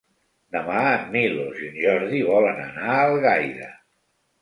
Demà en Milos i en Jordi volen anar a Algaida.